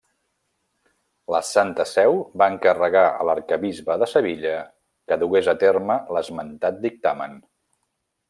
La Santa Seu va encarregar a l'Arquebisbe de Sevilla que dugués a terme l'esmentat dictamen.